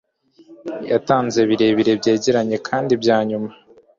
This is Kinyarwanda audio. yatanze birebire, byegeranye kandi byanyuma